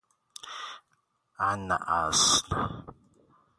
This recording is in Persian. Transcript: عن اصل